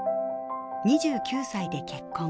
２９歳で結婚。